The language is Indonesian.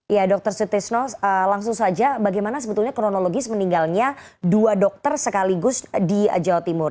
ya dr sutisno langsung saja bagaimana sebetulnya kronologis meninggalnya dua dokter sekaligus di jawa timur